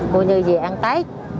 bộ như gì ăn tết